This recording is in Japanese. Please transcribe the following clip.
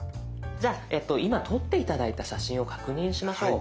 じゃあ今撮って頂いた写真を確認しましょう。